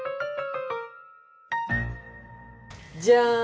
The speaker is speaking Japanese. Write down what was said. じゃん！